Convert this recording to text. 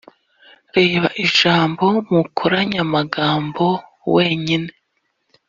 reba ijambo mu nkoranyamagambo wenyine.